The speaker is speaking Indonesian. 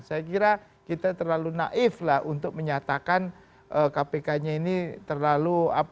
saya kira kita terlalu naif lah untuk menyatakan kpk nya ini terlalu